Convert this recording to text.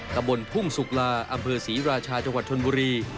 ตำบลทุ่งสุกลาอำเภอศรีราชาจังหวัดชนบุรี